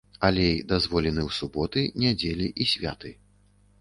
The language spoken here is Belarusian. Алей дазволены ў суботы, нядзелі і святы.